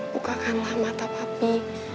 bukakanlah mata papi